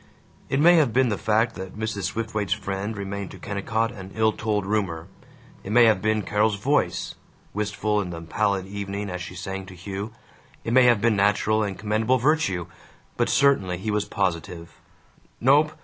It may have been the fact that Mrs. Swiftwaite's friend remained to Kennicott an ill told rumor, it may have been Carol's voice, wistful in the pallid evening as she sang to Hugh, it may have been natural and commendable virtue, but certainly he was positive: "Nope.